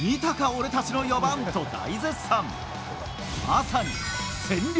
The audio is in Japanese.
俺たちの４番！と大絶賛。